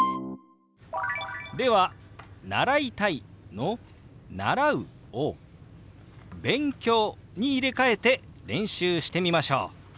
では「習いたい」の「習う」を「勉強」に入れ替えて練習してみましょう。